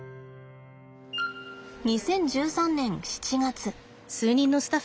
２０１３年７月。